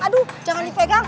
aduh jangan dipegang